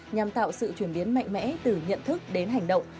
nhằm tạo sự chuyển biến mạnh mẽ từ nhận thức đến hành động